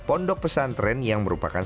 pondok pesantren yang merupakan